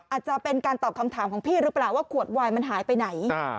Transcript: อาจจะเป็นการตอบคำถามของพี่หรือเปล่าว่าขวดวายมันหายไปไหน